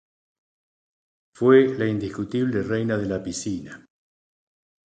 Fue la indiscutible reina de la piscina.